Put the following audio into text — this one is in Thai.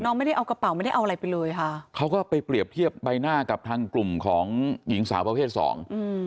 ไม่ได้เอากระเป๋าไม่ได้เอาอะไรไปเลยค่ะเขาก็ไปเปรียบเทียบใบหน้ากับทางกลุ่มของหญิงสาวประเภทสองอืม